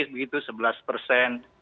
begitu sebelas persen